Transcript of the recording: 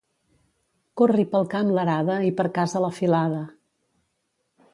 Corri pel camp l'arada i per casa la filada.